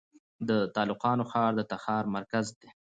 د تالقان ښار د تخار مرکز دی